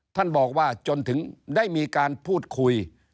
ท่านบอกว่าจนถึงได้มีการพูดคุย